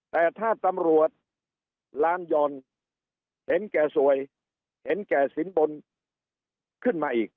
แต่ถ้าตำรวจร้านย่อนเห็นแก่สวยเห็นแก่สินบนขึ้นมาอีก